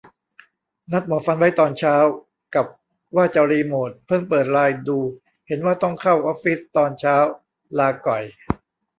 นัดหมอฟันไว้ตอนเช้า กับว่าจะรีโมท เพิ่งเปิดไลน์ดูเห็นว่าต้องเข้าออฟฟิศตอนเช้า ลาก่อย